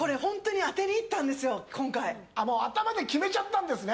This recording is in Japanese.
頭で決めちゃったんですね。